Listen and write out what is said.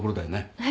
はい。